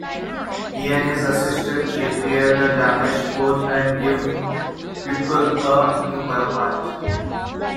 He and his assistant repair the damaged pod and give Pikul a new bio-port.